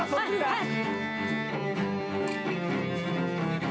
はい！